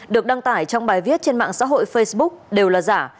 được đăng tải trong bài viết trên mạng xã hội facebook đều là giả